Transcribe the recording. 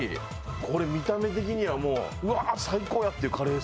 これ見た目的にはもううわあ最高や！っていうカレーですね。